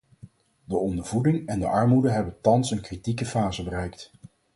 De ondervoeding en de armoede hebben thans een kritieke fase bereikt.